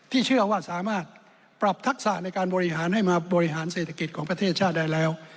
เชื่อว่าสามารถปรับทักษะในการบริหารให้มาบริหารเศรษฐกิจของประเทศชาติได้แล้ว